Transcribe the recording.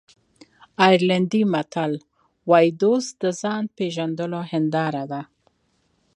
آیرلېنډي متل وایي دوست د ځان پېژندلو هنداره ده.